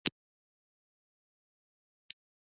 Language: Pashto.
ټوپکې وډزېدې.